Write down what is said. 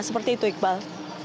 seperti itu iqbal